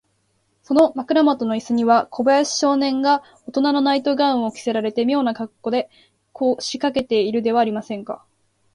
その枕もとのイスには、小林少年がおとなのナイト・ガウンを着せられて、みょうなかっこうで、こしかけているではありませんか。